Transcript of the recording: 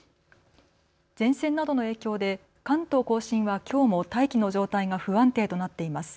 前線などの影響で関東甲信はきょうも大気の状態が不安定となっています。